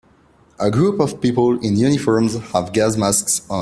A group of people in uniforms have gas masks on.